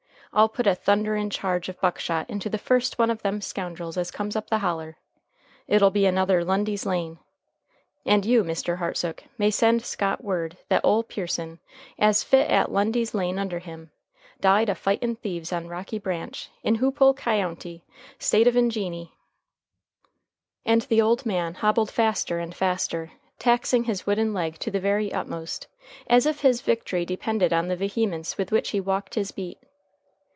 I'll put a thunderin' charge of buckshot into the first one of them scoundrels as comes up the holler. It'll be another Lundy's Lane. And you, Mr. Hartsook, may send Scott word that ole Pearson, as fit at Lundy's Lane under him, died a fightin' thieves on Rocky Branch, in Hoopole Kyounty, State of Injeanny." And the old man hobbled faster and faster, taxing his wooden leg to the very utmost, as if his victory depended on the vehemence with which he walked his beat.